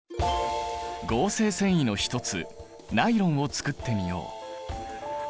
合成繊維の一つナイロンをつくってみよう。